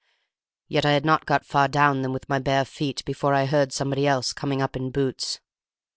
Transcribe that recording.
Yet I had not got far down them with my bare feet before I heard somebody else coming up in boots.